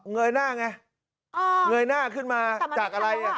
ยหน้าไงเงยหน้าขึ้นมาจากอะไร